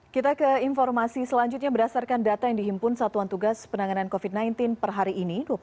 kita ke informasi selanjutnya berdasarkan data yang dihimpun satuan tugas penanganan covid sembilan belas per hari ini